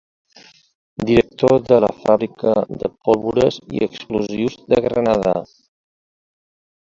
Director de la Fàbrica de Pólvores i Explosius de Granada.